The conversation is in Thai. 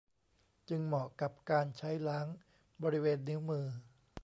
จึงเหมาะกับการใช้ล้างบริเวณนิ้วมือ